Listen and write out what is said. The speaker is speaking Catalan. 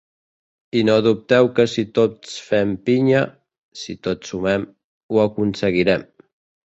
I no dubteu que si tots fem pinya, si tots sumem, ho aconseguirem.